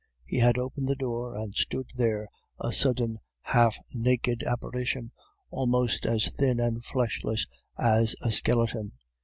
He had opened the door and stood there, a sudden, half naked apparition, almost as thin and fleshless as a skeleton.